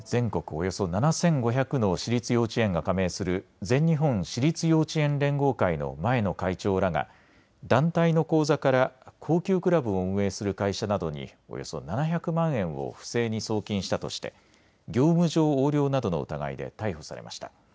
およそ７５００の私立幼稚園が加盟する全日本私立幼稚園連合会の前の会長らが団体の口座から高級クラブを運営する会社などにおよそ７００万円を不正に送金したとして業務上横領などの疑いで逮捕されました。